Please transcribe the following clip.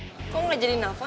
kok lu gak jadi nelfon